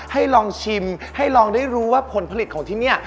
ให้ลองชิมให้ลองได้รู้ว่าผลผลิตของที่นี่